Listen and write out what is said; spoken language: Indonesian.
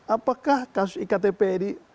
apakah kasus iktp ini